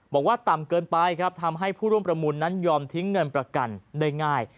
บอกว่าต่ำเกินไปครับทำให้ผู้ร่วมประมูลนั้นยอมทิ้งเงินประกันได้ง่าย